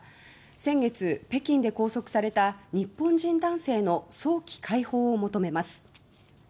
先月北京で拘束された日本人男性の早期解放を求めます。